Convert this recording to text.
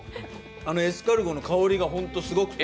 エスカルゴの香りがホントすごくて。